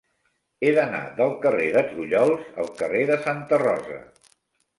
He d'anar del carrer de Trullols al carrer de Santa Rosa.